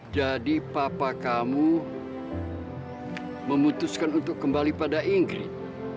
jadi papa kamu memutuskan untuk kembali pada ingrid